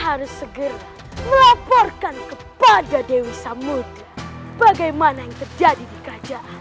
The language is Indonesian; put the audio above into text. harus segera melaporkan kepada dewi samuti bagaimana yang terjadi di kerajaan